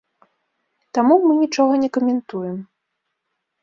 Таму мы нічога не каментуем.